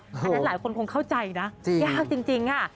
อันนั้นหลายคนคงเข้าใจนะยากจริงค่ะ